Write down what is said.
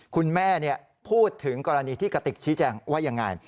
คุณแม่พูดถึงกรณีที่กระติกชี้แจงว่ายังไง